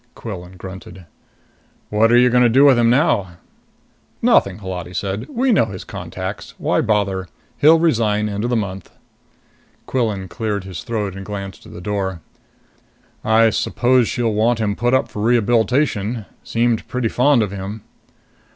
Quillan grunted. "What are you going to do with him now?" "Nothing," Holati said. "We know his contacts. Why bother? He'll resign end of the month." Quillan cleared his throat and glanced at the door. "I suppose she'll want him put up for rehabilitation seemed pretty fond of him."